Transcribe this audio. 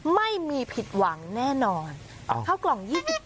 ไม่มีผิดหวังแน่นอนเข้ากล่อง๒๗